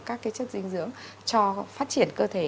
các chất dinh dưỡng cho phát triển cơ thể